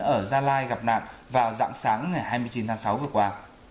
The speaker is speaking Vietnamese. ở gia lai gặp nạn vào dạng sáng ngày hai mươi chín tháng sáu vừa qua